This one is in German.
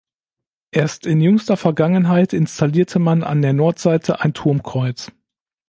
Erst in jüngster Vergangenheit installierte man an der Nordseite ein Turmkreuz.